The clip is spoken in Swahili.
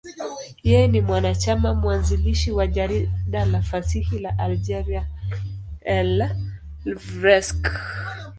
Yeye ni mwanachama mwanzilishi wa jarida la fasihi la Algeria, L'Ivrescq.